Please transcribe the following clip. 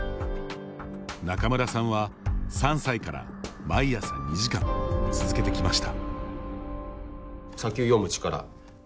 仲邑さんは３歳から毎朝２時間、続けてきました。